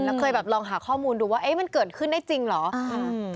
แล้วเคยลองหาข้อมูลดูว่ามันเกิดขึ้นได้จริงหรือ